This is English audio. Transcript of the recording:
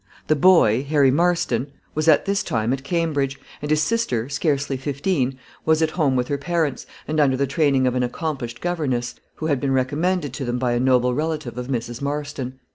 The boy, Harry Marston, was at this time at Cambridge; and his sister, scarcely fifteen, was at home with her parents, and under the training of an accomplished governess, who had been recommended to them by a noble relative of Mrs. Marston.